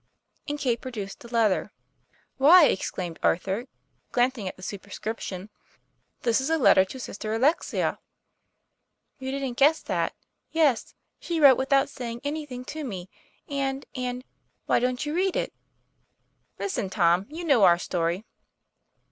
And Kate produced a letter. TOM PLA YFAIR. 151 ' Why," exclaimed Arthur, glancing at the super scription, "this is a letter to Sister Alexia. "" You didn't guess that. Yes; she wrote without saying anything to me; and, and why don't you read it ?"' Listen, Tom ; you know our story.